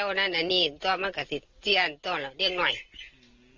ว่ามีความ้วกร้ายนี้ขอแข็งมือเข้าหน่อยครับ